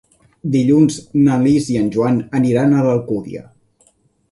Dilluns na Lis i en Joan aniran a l'Alcúdia.